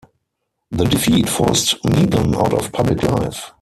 The defeat forced Meighen out of public life.